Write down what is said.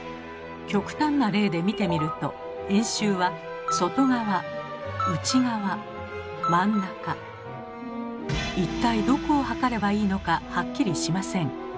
極端な例で見てみると円周は外側内側真ん中一体どこを測ればいいのかハッキリしません。